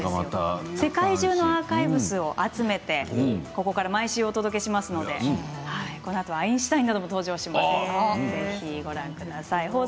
世界中のアーカイブを集めて、そこから毎週お届けしますので、このあとアインシュタインなども登場しますのでお楽しみください。